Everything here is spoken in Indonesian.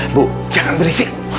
ibu jangan berisik